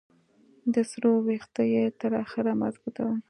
د سر ویښته یې تر اخره مضبوط وو.